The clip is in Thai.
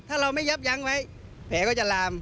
ถ้าเราไม่ยับยั้งไว้แผลก็จะลาม